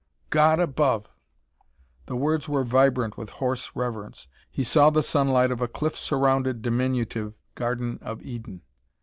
"God above!" The words were vibrant with hoarse reverence. He saw the sunlight of a cliff surrounded diminutive Garden of Eden.